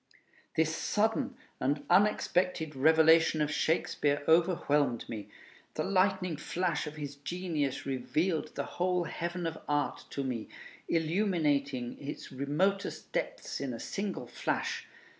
This sudden and unexpected revelation of Shakespeare overwhelmed me. The lightning flash of his genius revealed the whole heaven of art to me, illuminating its remotest depths in a single flash.